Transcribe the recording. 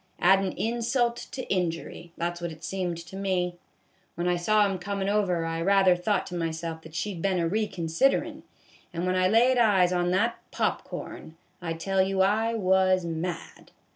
Addin' insult to injury, that 's what it seemed to me. When I saw A BAG OF POP CORN. l6/ him comin' over, I rather thought to myself that she 'd been a reconsiderin' ; and when I laid eyes on that pop corn, I tell you I was mad.